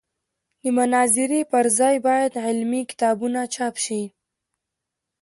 د مناظرې پر ځای باید علمي کتابونه چاپ شي.